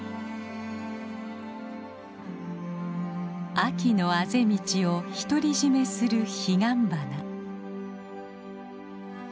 秋のあぜ道を独り占めするヒガンバナ。